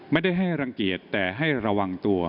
ไม่ได้ให้รังเกียจแต่ให้ระวังตัว